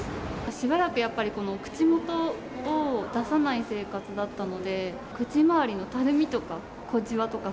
しばらくやっぱり、この口元を出さない生活だったので、口周りのたるみとか、小じわとか。